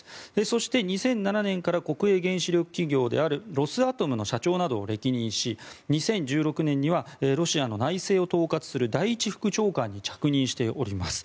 そして２００７年から国営原子力企業であるロスアトムの社長などを歴任し、２０１６年にはロシアの内政を統括する第１副長官に着任しております。